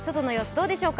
どうでしょうか